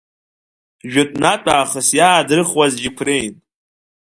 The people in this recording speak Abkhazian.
Ҷәытәнатә аахыс иаадрыхуаз џьықәреин.